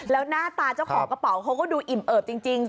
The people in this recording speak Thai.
แล้วหน้าตาเจ้าของกระเป๋าเขาก็ดูอิ่มเอิบจริง